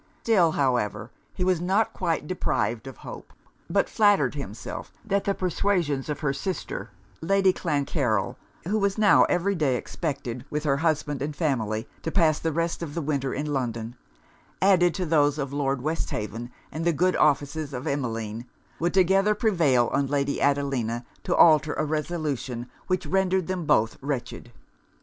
Still, however, he was not quite deprived of hope; but flattered himself that the persuasions of her sister, Lady Clancarryl (who was now every day expected, with her husband and family, to pass the rest of the winter in London) added to those of Lord Westhaven, and the good offices of Emmeline, would together prevail on Lady Adelina to alter a resolution which rendered them both wretched.